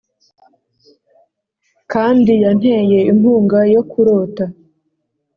kandi yanteye inkunga yo kurota.